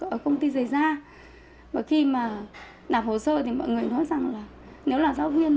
ở công ty giải gia mà khi mà đạp hồ sơ thì mọi người nói rằng là nếu là giáo viên